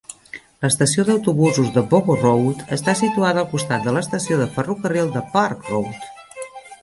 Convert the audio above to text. L'estació d'autobusos de Boggo Road està situada al costat de l'estació de ferrocarril de Park Road.